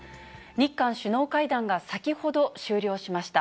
日韓首脳会談が先ほど終了しました。